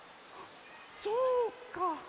そうか！